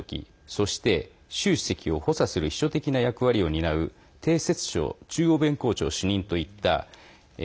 そして、習主席を補佐する秘書的な役割を担う丁薛祥中央弁公庁主任といった。